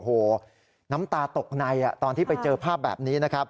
โอ้โหน้ำตาตกในตอนที่ไปเจอภาพแบบนี้นะครับ